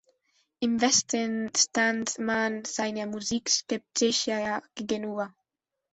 Im Westen stand man seiner Musik skeptischer gegenüber.